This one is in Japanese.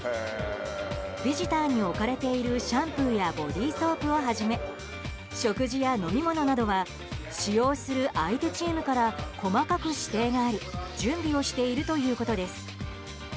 ビジターに置かれているシャンプーやボディーソープをはじめ食事や飲み物などは使用する相手チームから細かく指定があり準備をしているということです。